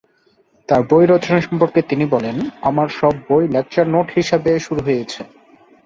তার বই রচনা সম্পর্কে তিনি বলেন, ""আমার সব বই লেকচার নোট হিসেবে শুরু হয়েছে।